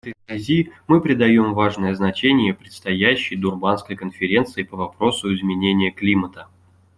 В этой связи мы придаем важное значение предстоящей Дурбанской конференции по вопросу изменения климата.